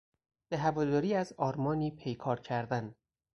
به هواداری از آرمانی پیکار کردن